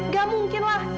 gak mungkin lah